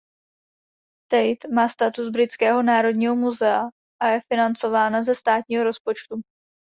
Tate má statut britského národního muzea a je financována ze státního rozpočtu.